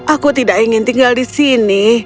aku tidak ingin tinggal di sini